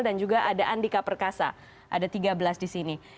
dan juga ada andika perkasa ada tiga belas di sini